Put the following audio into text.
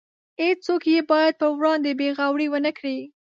هیڅوک یې باید پر وړاندې بې غورۍ ونکړي.